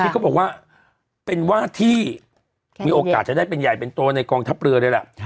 นี่เขาบอกว่าเป็นว่าที่มีโอกาสจะได้เป็นใหญ่เป็นโตในกองทัพเรือเลยล่ะ